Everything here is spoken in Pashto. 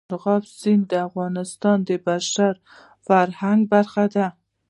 مورغاب سیند د افغانستان د بشري فرهنګ برخه ده.